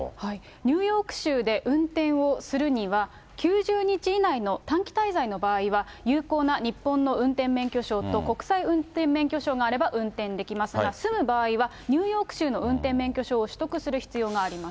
ニューヨーク州で運転をするには、９０日以内の短期滞在の場合は、有効な日本の運転免許証と国際運転免許証があれば運転できますが、住む場合は、ニューヨーク州の運転免許証を取得する必要があります。